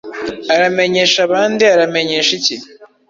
Aramenyesha ba nde? Arabamenyesha iki?